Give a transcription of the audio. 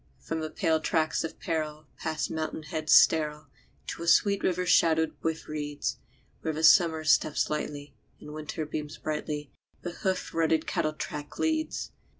From the pale tracts of peril, past mountain heads sterile, To a sweet river shadowed with reeds, Where Summer steps lightly, and Winter beams brightly, The hoof rutted cattle track leads.